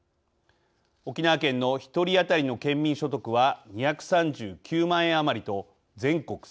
沖縄県の１人当たりの県民所得は２３９万円余りと全国最低。